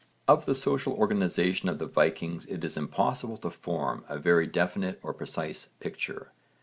Of the social organisation of the Vikings it is impossible to form a very definite or precise picture.